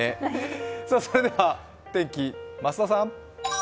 それでは天気、増田さん。